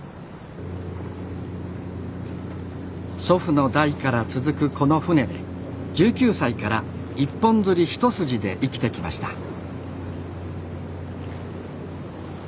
祖父の代から続くこの船で１９歳から一本釣り一筋で生きてきました。